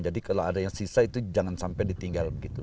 jadi kalau ada yang sisa itu jangan sampai ditinggal begitu